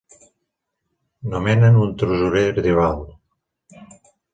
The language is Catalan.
Nomenen un tresorer tribal.